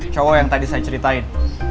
cowok yang tadi saya ceritain